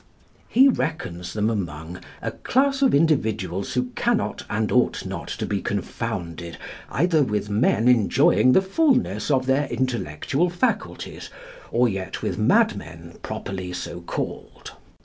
He reckons them among "A class of individuals who cannot and ought not to be confounded either with men enjoying the fulness of their intellectual faculties, or yet with madmen properly so called.